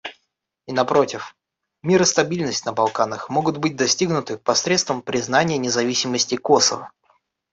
И напротив, мир и стабильность на Балканах могут быть достигнуты посредством признания независимости Косово.